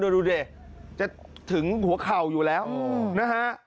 ดูดิจะถึงหัวเข่าอยู่แล้วนะฮะ